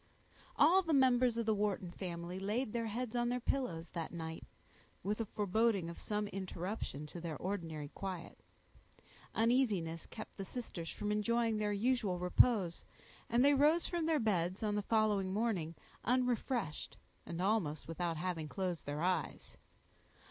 All the members of the Wharton family laid their heads on their pillows that night, with a foreboding of some interruption to their ordinary quiet. Uneasiness kept the sisters from enjoying their usual repose, and they rose from their beds, on the following morning, unrefreshed, and almost without having closed their eyes.